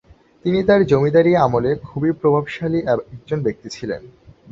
তিনি তার জমিদারী আমলে খুবই প্রভাবশালী একজন ব্যক্তি ছিলেন।